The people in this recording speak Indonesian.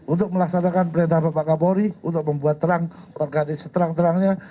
untuk melaksanakan perintah bapak kapolri untuk membuat terang organis terang terangnya